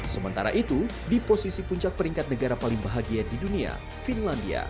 sementara itu di posisi puncak peringkat negara paling bahagia di dunia finlandia